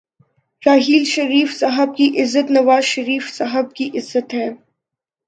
راحیل شریف صاحب کی عزت نوازشریف صاحب کی عزت ہے۔